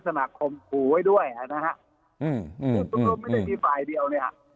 สุนมมไม่ได้มีฟ้ายเดียว